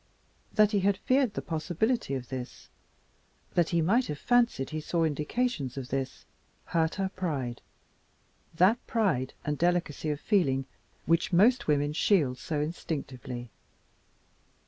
That he had feared the possibility of this, that he might have fancied he saw indications of this, hurt her pride that pride and delicacy of feeling which most women shield so instinctively.